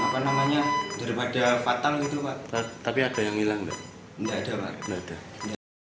pertanyaan terakhir apakah korban yang diperlukan untuk mencari punggung korban